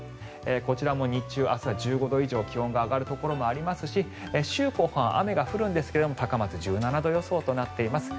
こちらも日中１５度以上気温が上がるところがありますし週後半、雨が降りますが高松１７度予想となっています。